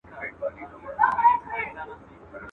لاس تر غاړه به یاران وي ورځ یې تېره خوا په خوا سي.